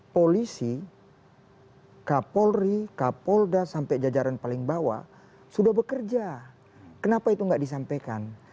polisi kapolri kapolda sampai jajaran paling bawah sudah bekerja kenapa itu nggak disampaikan